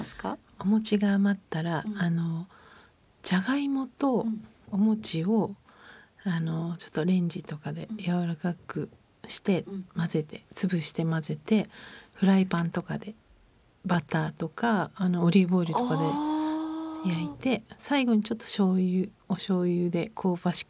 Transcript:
お餅が余ったらあのじゃがいもとお餅をちょっとレンジとかでやわらかくして混ぜて潰して混ぜてフライパンとかでバターとかオリーブオイルとかで焼いて最後にちょっと醤油お醤油で香ばしく